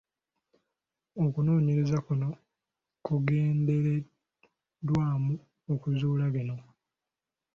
Okunoonyereza kuno kugendereddwamu okuzuula bino: